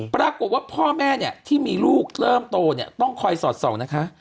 ปรากฏว่าพ่อแม่เนี่ยที่มีลูกเริ่มโตเนี่ยต้องคอยสอดส่องนะคะ